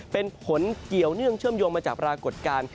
เป็นผลเกี่ยวเนื่องเชื่อมโยงมาจากปรากฏการณ์